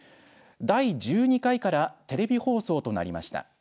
第１２回からテレビ放送となりました。